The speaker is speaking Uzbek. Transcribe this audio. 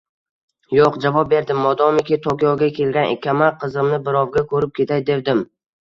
Yo`q, javob berdim, modomiki Tokioga kelgan ekanman, qizimni birrovga ko`rib ketay devdim